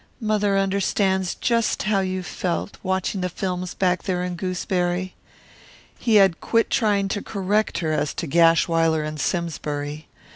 "Mother understands just how you felt, watching the films back there in Gooseberry " He had quit trying to correct her as to Gashwiler and Simsbury.